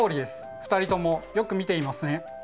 ２人ともよく見ていますね。